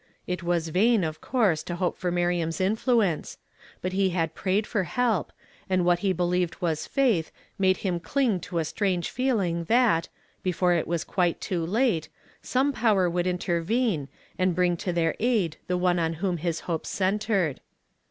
It was vain, of coui^se, to hope for Miriam's influ ence ; but he had prayed for help, and what he l)elieved was faith made him cling to a strange feeling that, before it Avas quite too late, some power would intervene, and bring to their aid the one on whom his hopes centred.